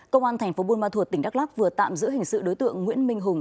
công an tp buôn ma thuột tỉnh đắk lắc vừa tạm giữ hành sự đối tượng nguyễn minh hùng